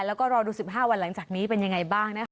แล้วก็รอดู๑๕วันหลังจากนี้เป็นยังไงบ้างนะคะ